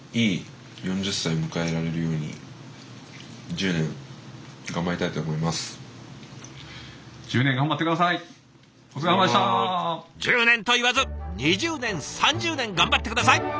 １０年と言わず２０年３０年頑張って下さい！